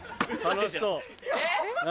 ・楽しそう何？